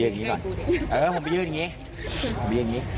เล่าอย่างงี้ก่อนเออผมไปยืนอย่างนี้